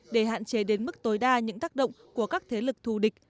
để hạn chế đến mức tối đa những tác động của các thế lực thù địch